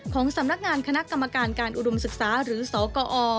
ของสำนักงานคณะกรรมการการอุดมศึกษาหรือสกอ